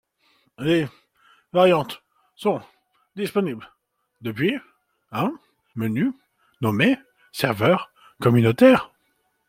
Les variantes sont disponibles depuis un menu nommé serveurs communautaires.